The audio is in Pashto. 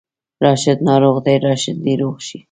راشد ناروغ دی، راشد دې روغ شي